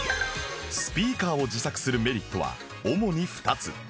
スピーカーを自作するメリットは主に２つ